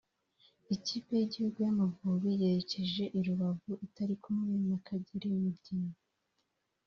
Ikipe y’igihugu y’Amavubi yerekeje i Rubavu itari kumwe na Kagere Meddie